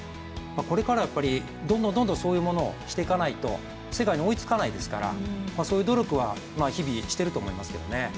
これからはどんどんそういうものをしていかないと世界に追いつかないですからそういう努力は日々していると思いますけどね。